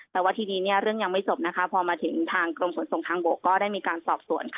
แต่ว่าทีนี้เรื่องยังไม่จบพอมาถึงทางกรมส่วนส่งทางบกก็ได้มีการสอบส่วน